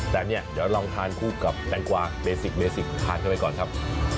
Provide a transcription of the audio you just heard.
แต่เนี่ยเดี๋ยวเราลองทานคู่กับแปลงกวาเบสิกทานเข้าไปก่อนครับ